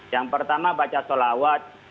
yang pertama baca sholawat